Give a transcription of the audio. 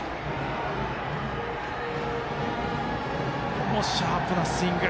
このシャープなスイング。